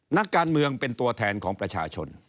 นักการเมืองเป็นตัวแทนของประชาชน